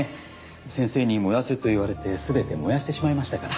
先生に燃やせと言われて全て燃やしてしまいましたから。